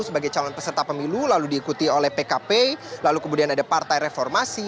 sebagai calon peserta pemilu lalu diikuti oleh pkp lalu kemudian ada partai reformasi